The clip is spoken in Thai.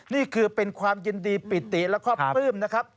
นี่คือเป็นความยินดีปิติแล้วก็ปลื้มนะครับ